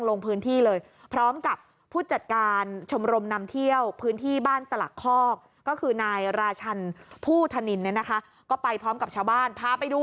แล้วไม่รู้ว่าเกิดเป็นเพราะว่าคุณไม่ค่อยเยอะใช่ไหม